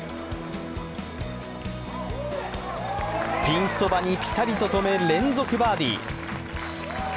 ピンそばにピタリと止め、連続バーディー。